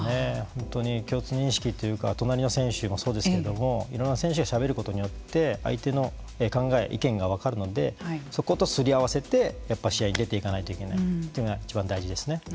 本当に共通認識というか隣の選手もそうですけれどもいろんな選手がしゃべることによって相手の考え意見が分かるのでそことすり合わせてやっぱ試合に出ていかないといけないというのがいちばん大事ですね。